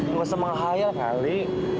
nggak usah menghayal kali